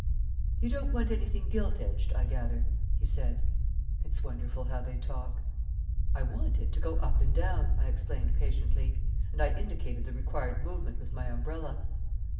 "You don't want anything gilt edged, I gather?" he said. It's wonderful how they talk. "I want it to go up and down," I explained patiently, and I indicated the required movement with my umbrella.